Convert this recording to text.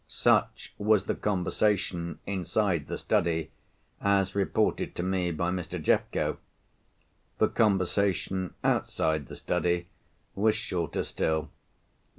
Such was the conversation, inside the study, as reported to me by Mr. Jeffco. The conversation outside the study, was shorter still.